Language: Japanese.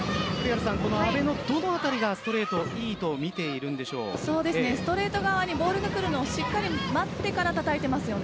阿部のどのあたりがストレートストレート側にボールをしっかり待ってからたたいていますよね。